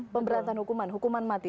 pemberatan hukuman hukuman mati